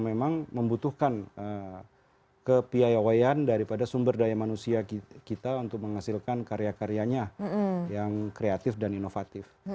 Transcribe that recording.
memang membutuhkan kepiawayan daripada sumber daya manusia kita untuk menghasilkan karya karyanya yang kreatif dan inovatif